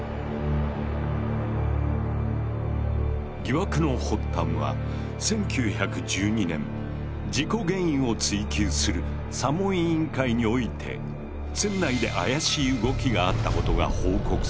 疑惑の発端は１９１２年事故原因を追及する査問委員会において船内で怪しい動きがあったことが報告されている。